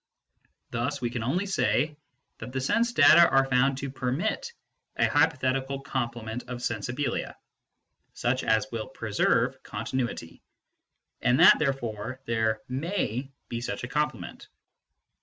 Thus we can only say that the sense data are found to permit a hypothetical complement of " sensibilia " such as will preserve continuity, and that therefore there may be such a complement.